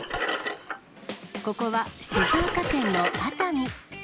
ここは静岡県の熱海。